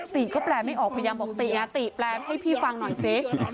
ติก็แปลไม่ออกพยายามบอกติติแปลให้พี่ฟังหน่อยสิ